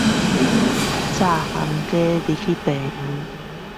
帶烤雞進醫院